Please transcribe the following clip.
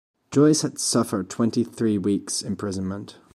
Joyce had suffered twenty three weeks imprisonment.